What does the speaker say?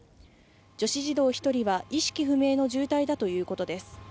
女子児童１人は意識不明の重体だということです。